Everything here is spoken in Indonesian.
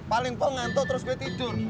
paling pengantuk terus gue tidur